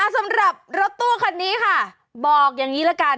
สำหรับรถตู้คันนี้ค่ะบอกอย่างนี้ละกัน